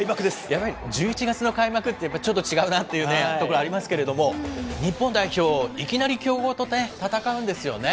やはり１１月の開幕って、ちょっと違うなっていうところありますけれども、日本代表、いきなり強豪と戦うんですよね。